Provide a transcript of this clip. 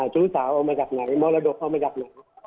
ชู้สาวเอามาจากไหนมรดกเอามาจากไหน